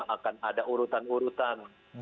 akan ada urutan urutan